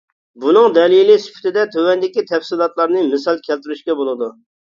بۇنىڭ دەلىلى سۈپىتىدە تۆۋەندىكى تەپسىلاتلارنى مىسال كەلتۈرۈشكە بولىدۇ.